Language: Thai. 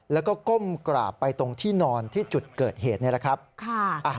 แล้วก็ก้มกราบไปตรงที่นอนที่จุดเกิดเหตุนี่แหละครับ